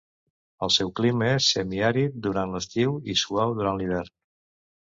El seu clima és semiàrid durant l'estiu i suau durant l'hivern.